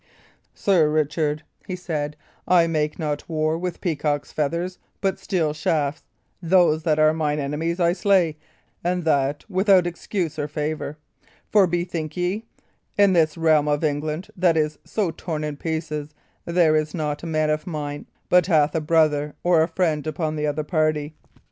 "Sir Richard," he said, "I make not war with peacock's feathers, but steel shafts. Those that are mine enemies I slay, and that without excuse or favour. For, bethink ye, in this realm of England, that is so torn in pieces, there is not a man of mine but hath a brother or a friend upon the other party.